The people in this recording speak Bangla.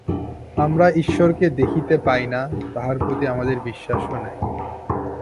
আমরা ঈশ্বরকে দেখিতে পাই না, তাঁহার প্রতি আমাদের বিশ্বাসও নাই।